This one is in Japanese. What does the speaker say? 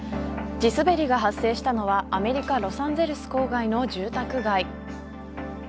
地滑りが発生したのはアメリカ、ロサンゼルス郊外の住宅街。